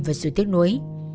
và sự tiếc nuối